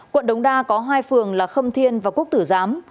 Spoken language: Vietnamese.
quận đống đa có hai phường là khâm thiên và quốc tử giám